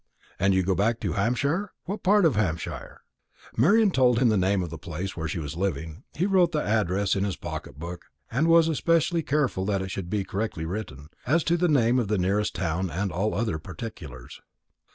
"And you go back to Hampshire? To what part of Hampshire?" Marian told him the name of the place where she was living. He wrote the address in his pocket book, and was especially careful that it should be correctly written, as to the name of the nearest town, and in all other particulars.